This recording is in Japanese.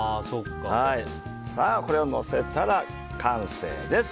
これをのせたら完成です。